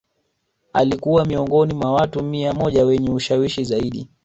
Alikua miongoni mwa watu mia moja wenye ushawishi zaidi